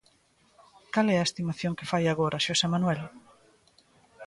Cal é a estimación que fai agora, Xosé Manuel?